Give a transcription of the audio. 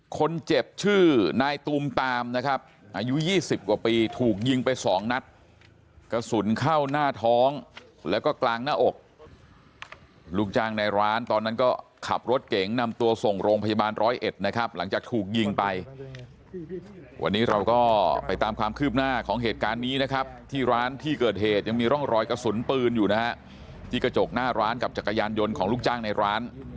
คนเจ็บชื่อนายตูมตามนะครับอายุ๒๐กว่าปีถูกยิงไปสองนัดกระสุนเข้าหน้าท้องแล้วก็กลางหน้าอกลูกจ้างในร้านตอนนั้นก็ขับรถเก๋งนำตัวส่งโรงพยาบาลร้อยเอ็ดนะครับหลังจากถูกยิงไปวันนี้เราก็ไปตามความคืบหน้าของเหตุการณ์นี้นะครับที่ร้านที่เกิดเหตุยังมีร่องรอยกระสุนปืนอยู่นะฮะที่กระจกหน้าร้านกับจักรยานยนต์ของลูกจ้างในร้าน